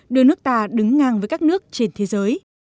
đưa nước ta đứng ngang với các nước trên thế giới